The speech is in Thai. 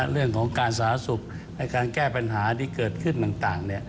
เรื่องของการสาธารณสุขในการแก้ปัญหาที่เกิดขึ้นต่าง